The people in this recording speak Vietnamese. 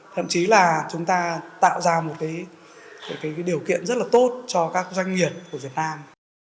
thậm chí là chúng ta tạo ra một điều kiện rất là tốt cho các doanh nghiệp của việt nam